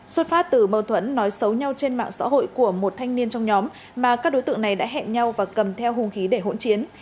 xuất phát từ mâu thuẫn nói xấu nhau trên mạng xã hội của một thanh niên trong nhóm mà các đối tượng này đã hẹn nhau và cầm theo hùng khí để hỗn chiến